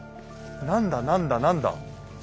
何だ何だ何だ？